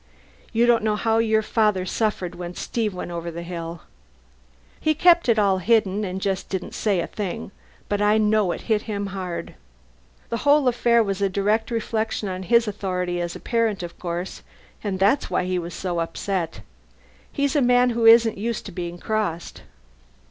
You don't know how your father suffered when Steve went over the hill. He kept it all hidden and just didn't say a thing, but I know it hit him hard. The whole affair was a direct reflection on his authority as a parent, of course, and that's why he was so upset. He's a man who isn't used to being crossed."